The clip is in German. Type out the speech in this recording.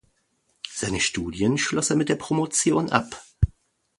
Seine Studien schloss er mit der Promotion ab.